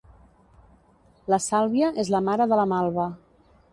La sàlvia és la mare de la malva.